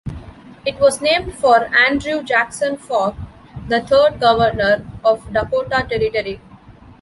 It was named for Andrew Jackson Faulk, the third Governor of Dakota Territory.